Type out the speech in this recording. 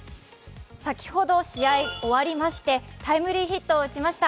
先ほど、試合終わりましてタイムリーヒットを放ちました。